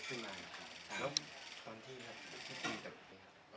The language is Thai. ก็จะมีความสุขกับพวกเรา